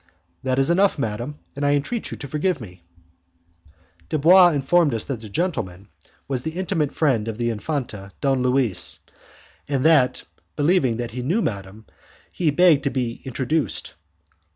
"That is enough, madam, and I entreat you to forgive me." Dubois informed us that the gentleman was the intimate friend of the Infante Don Louis, and that, believing he knew madam, he had begged to be introduced.